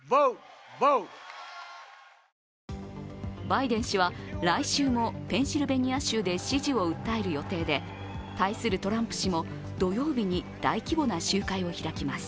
バイデン氏は来週もペンシルベニア州で支持を訴える予定で対するトランプ氏も土曜日に大規模な集会を開きます。